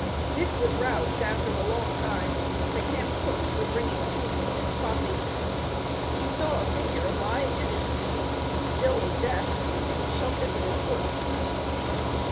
Dick was roused after a long time. The camp cooks were bringing food and coffee. He saw a figure lying at his feet as still as death, and he shoved it with his foot.